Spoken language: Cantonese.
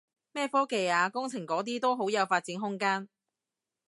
咩科技啊工程嗰啲都好有發展空間